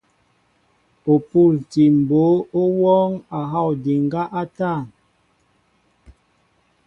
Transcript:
O pûntil mbǒ ó wɔɔŋ a hɔw ndiŋgá a tȃn.